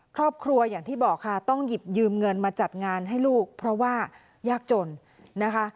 ครอบครัวอย่างที่บอกค่ะต้องหยิบยืมเงินมาจัดงานให้ลูกเพราะว่ายากจนนะคะ